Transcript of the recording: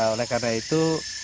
oleh karena itu